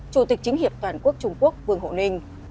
chủ tịch chính hiệp toàn quốc trung quốc vương hộ ninh